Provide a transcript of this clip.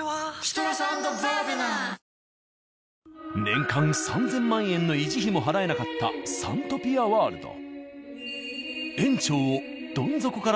年間３０００万円の維持費も払えなかったサントピアワールド。